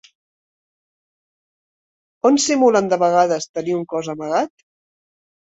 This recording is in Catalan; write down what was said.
On simulen de vegades tenir un cos amagat?